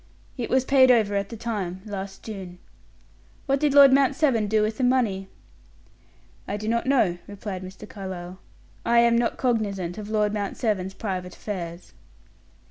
"It was paid over at the time last June." "What did Lord Mount Severn do with the money?" "I do not know," replied Mr. Carlyle. "I am not cognizant of Lord Mount Severn's private affairs."